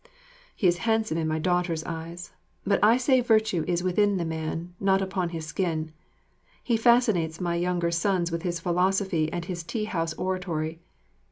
He is handsome in my daughter's eyes; but I say virtue is within the man, not upon his skin. He fascinates my younger sons with his philosophy and his tea house oratory.